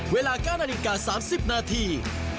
เวลา๙นาฬิกา๓๐นาที